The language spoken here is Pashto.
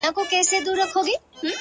قربان د ډار له کيفيته چي رسوا يې کړم’